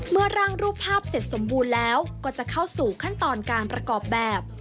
ร่างรูปภาพเสร็จสมบูรณ์แล้วก็จะเข้าสู่ขั้นตอนการประกอบแบบ